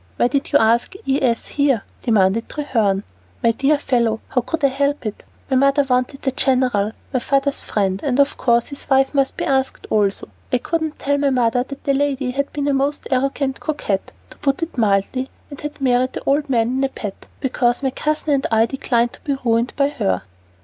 "Why did you ask E.S. here?" demanded Treherne. "My dear fellow, how could I help it? My mother wanted the general, my father's friend, and of course his wife must be asked also. I couldn't tell my mother that the lady had been a most arrant coquette, to put it mildly, and had married the old man in a pet, because my cousin and I declined to be ruined by her."